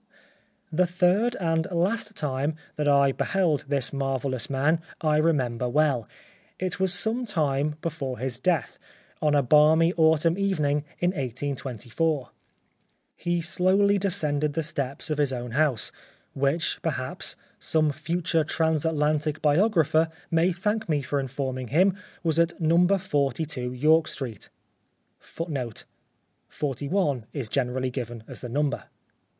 "' The third and last time that I beheld this marvellous man I remember well. It was some time before his death, on a balmy Autumn evening, in 1824. He slowly descended the steps of his own house, which, perhaps, some future Transatlantic biographer may thank me for informing him was at No. 42 York Street,^ 1 41 is generally given as the number.